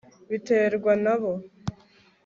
Biterwa na bo